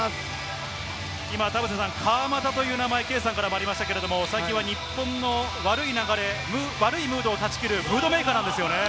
田臥さん、川真田という名前が圭さんからもありました、最近は日本の悪い流れ、悪いムードを断ち切るムードメーカーなんですよね。